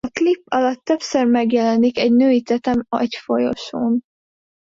A klip alatt többször megjelenik egy női tetem egy folyosón.